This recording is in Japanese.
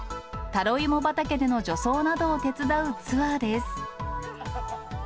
タロイモ畑での除草などを手伝うツアーです。